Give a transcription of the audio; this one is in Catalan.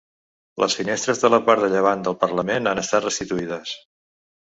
Les finestres de la part de llevant del parament han estat restituïdes.